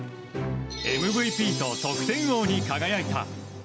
ＭＶＰと得点王に輝いた。